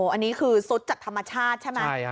อันนี้ซุดจากธรรมชาติใช่ครับ